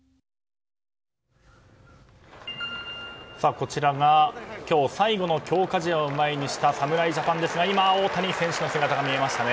こちらが今日最後の強化試合を前にした侍ジャパンですが今、大谷選手の姿が見えましたね。